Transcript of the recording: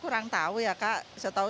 orang tahu ya kak